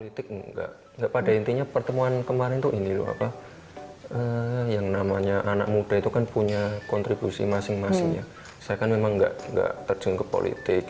politik enggak enggak pada intinya pertemuan kemarin tuh ini loh apa yang namanya anak muda itu kan punya kontribusi masing masing ya saya kan memang enggak terjun ke politik